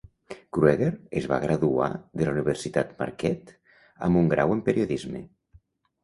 Krueger es va graduar de la Universitat Marquette amb un grau en periodisme.